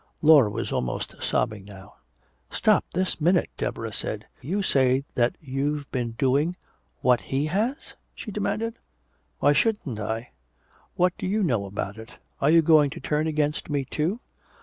Laura was almost sobbing now. "Stop, this minute!" Deborah said. "You say that you've been doing what he has?" she demanded. "Why shouldn't I? What do you know about it? Are you going to turn against me, too?"